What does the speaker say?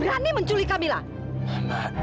ido itu cuman lindungi camilla doang